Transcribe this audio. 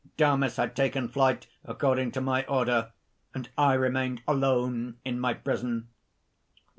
Damis had taken flight according to my order, and I remained alone in my prison."